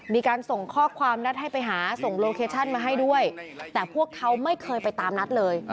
มีการส่งข้อความนัดให้ไปหาส่งโลเคชั่นมาให้ด้วยแต่พวกเขาไม่เคยไปตามนัดเลย